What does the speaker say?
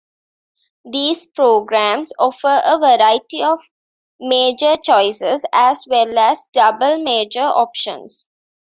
These programs offer a variety of major choices, as well as double-major options.